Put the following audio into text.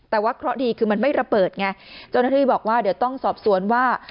แต่ว่าเคราะห์ดีคือมันไม่ระเบิดไงเจ้าหน้าที่บอกว่าเดี๋ยวต้องสอบสวนว่า